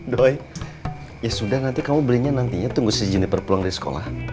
doy ya sudah nanti kamu belinya nantinya tunggu si jiniper pulang dari sekolah